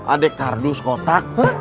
ada kardus kotak